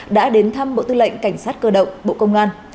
đã đến thăm bộ tư lệnh cảnh sát cơ động bộ công an